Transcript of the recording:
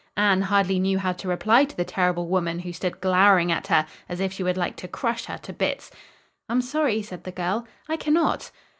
Anne hardly knew how to reply to the terrible woman who stood glowering at her as if she would like to crush her to bits. "I'm sorry," said the girl. "I cannot."